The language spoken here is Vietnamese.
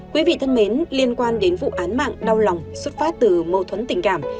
quý vị thân mến liên quan đến vụ án mạng đau lòng xuất phát từ mâu thuẫn tình cảm